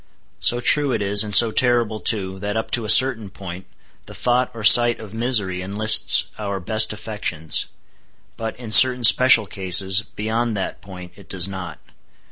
So true it is, and so terrible too, that up to a certain point the thought or sight of misery enlists our best affections; but, in certain special cases, beyond that point it does not.